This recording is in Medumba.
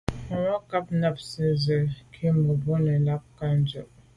Màmá cák nâptə̄ tsə̂ cú mə̀bró nə̀ nɛ̌n cɑ̌k dʉ̀ vwá.